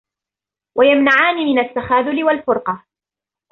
وَيَمْنَعَانِ مِنْ التَّخَاذُلِ وَالْفُرْقَةِ